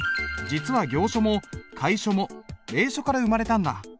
実は行書も楷書も隷書から生まれたんだ。